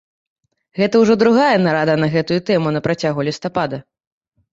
Гэта ўжо другая нарада на гэтую тэму на працягу лістапада.